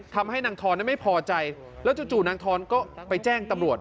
ทำให้นางทรนั้นไม่พอใจแล้วจู่นางทอนก็ไปแจ้งตำรวจ